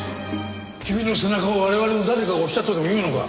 君の背中を我々の誰かが押したとでも言うのか？